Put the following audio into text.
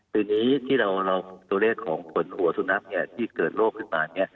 ปีนี้ที่เราตัวเลขของผลหัวสุนัขที่เกิดโรคขึ้นมา